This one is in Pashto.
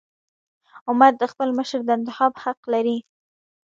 امت د خپل مشر د انتخاب حق لري.